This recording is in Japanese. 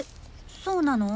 そうなの？